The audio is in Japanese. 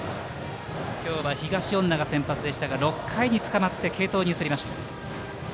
今日は東恩納が先発でしたが６回につかまって継投に移りました。